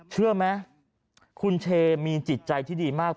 เชื่อไหมคุณเชมีจิตใจที่ดีมาก